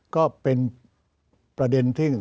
ก็เป็นประเด็นที่